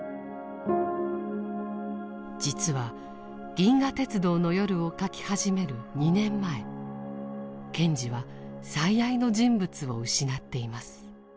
実は「銀河鉄道の夜」を書き始める２年前賢治は最愛の人物を失っています。